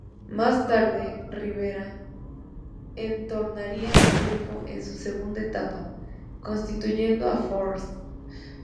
Más tarde, Rivera retornaría al grupo, en su segunda etapa, sustituyendo a Frost.